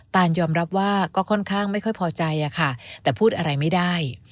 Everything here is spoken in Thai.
ตานยอมรับว่าก็ค่อนข้างไม่ค่อยพอใจค่ะแต่พูดอะไรไม่ได้